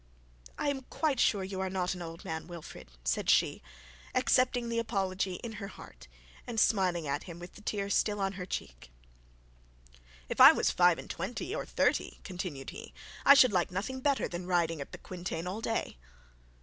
'I am quite sure you are not an old man, Wilfred,' said she, accepting the apology in her heart, and smiling at him with the tear still on her cheek. 'If I was five and twenty, or thirty,' continued he, 'I should like nothing better than riding at the quintain all day.'